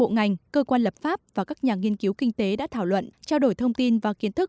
ngành cơ quan lập pháp và các nhà nghiên cứu kinh tế đã thảo luận trao đổi thông tin và kiến thức